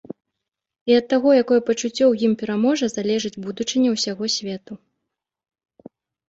І ад таго, якое пачуццё ў ім пераможа, залежыць будучыня ўсяго свету.